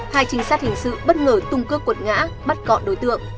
hai trinh sát hình sự bất ngờ tung cước cuột ngã bắt gọn đối tượng